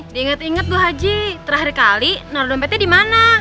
diinget inget bu haji terakhir kali naro dompetnya dimana